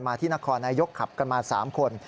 ที่นครนายกขับกันมา๓คน